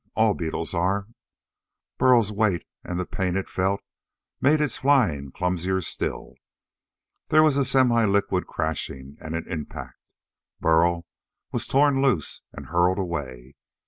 All beetles are. Burl's weight and the pain it felt made its flying clumsier still. There was a semi liquid crashing and an impact. Burl was torn loose and hurled away.